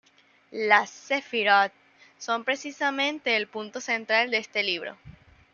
Las "sefirot" son precisamente el punto central de este libro.